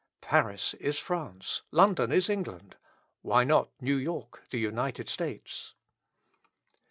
Paris is France, London is England, why not New York the United States?